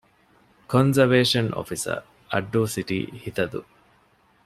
ކޮންޒަވޭޝަން އޮފިސަރ - އައްޑޫ ސިޓީ ހިތަދޫ